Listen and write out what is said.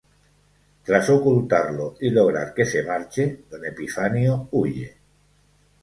Tras ocultarlo y lograr que se marche, Don Epifanio huye.